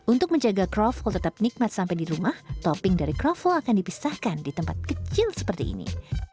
untuk menjaga kroffel tetap nikmat sampai di rumah topping dari kroffel akan dipisahkan di tempat kecil seperti ini